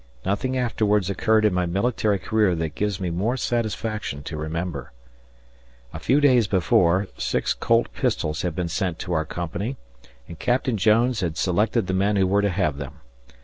Nothing afterwards occurred in my military career that gives me more satisfaction to remember. A few days before six Colt pistols had been sent to our company, and Captain Jones had selected the men who were to have them.